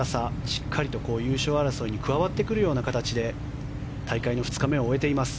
しっかりと優勝争いに加わってくるような形で大会の２日目を終えています。